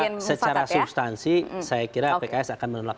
ya secara substansi saya kira pks akan menolak